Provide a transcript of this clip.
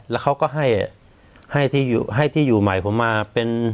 แล้วเขาก็ให้ให้ที่อยู่ให้ที่อยู่ใหม่ผมมาเป็น